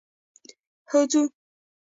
هو ځو.